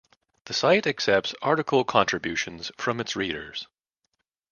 The site accepts article contributions from its readers.